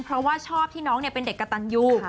เพราะว่าชอบที่น้องเป็นเด็กกระตันยู